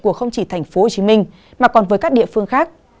của không chỉ tp hcm mà còn với các địa phương khác